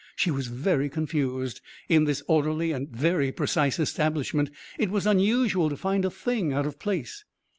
She was very confused. In this orderly and very precise establishment it was unusual to find a thing out of place.